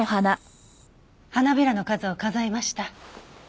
花びらの数を数えました。